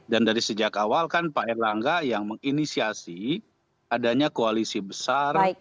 dan dari sejak awal kan pak erlangga yang menginisiasi adanya koalisi besar